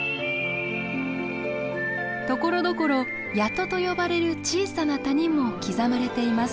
ところどころ谷戸と呼ばれる小さな谷も刻まれています。